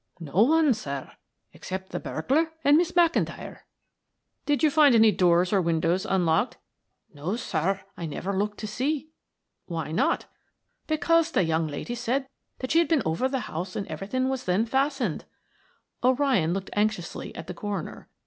"No one sir, except the burglar and Miss McIntyre." "Did you find any doors or windows unlocked?" "No, sir; I never looked to see." "Why not?" "Because the young lady said that she had been over the house and everything was then fastened." O'Ryan looked anxiously at the coroner.